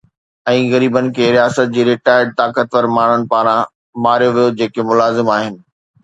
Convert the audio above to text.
۽ غريبن کي رياست جي ريٽائرڊ طاقتور ماڻهن پاران ماريو ويو جيڪي ملازم آهن